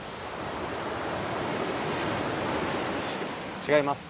違いますか？